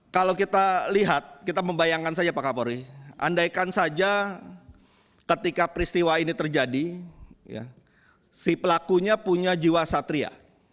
kalau kita lihat kita membayangkan saja pak kapolri andaikan saja ketika peristiwa ini terjadi si pelakunya punya jiwa satria